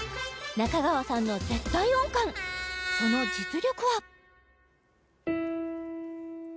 仲川さんの絶対音感その実力は？